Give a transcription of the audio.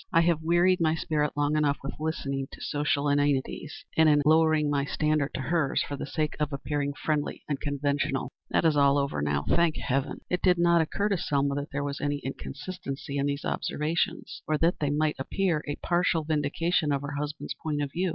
I have wearied my spirit long enough with listening to social inanities, and in lowering my standards to hers for the sake of appearing friendly and conventional. That is all over now, thank heaven." It did not occur to Selma that there was any inconsistency in these observations, or that they might appear a partial vindication of her husband's point of view.